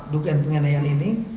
dugaan pengenaian ini